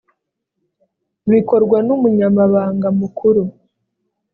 bikorwa n umunyamabanga mukuru